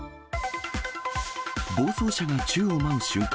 暴走車が宙を舞う瞬間。